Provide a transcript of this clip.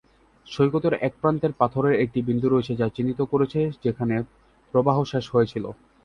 সৈকতের এক প্রান্তে পাথরের একটি বিন্দু রয়েছে যা চিহ্নিত করেছে যেখানে প্রবাহ শেষ হয়েছিল।